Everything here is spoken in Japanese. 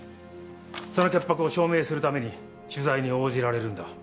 その潔白を証明するために取材に応じられるんだ。